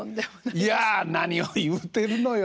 いや何を言うてるのよ。